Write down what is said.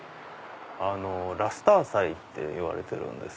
ラスター彩って言われてるんです。